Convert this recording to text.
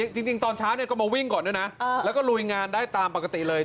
จริงตอนเช้าก็มาวิ่งก่อนด้วยนะแล้วก็ลุยงานได้ตามปกติเลย